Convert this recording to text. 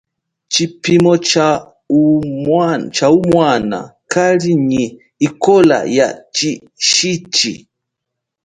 Tshiphimo tshawumwana kali nyi ikola ya tshishiji.